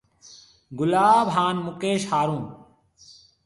گلاب هانَ مڪيش هارون۔